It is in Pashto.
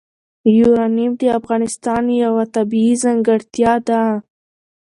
یورانیم د افغانستان یوه طبیعي ځانګړتیا ده.